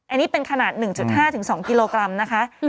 อันนี้เป็นขนาด๑๕๒กิโลกรัมนะคะ